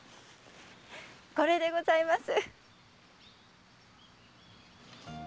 これでございます。